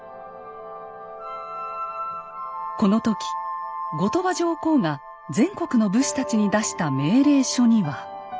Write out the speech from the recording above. この時後鳥羽上皇が全国の武士たちに出した命令書には。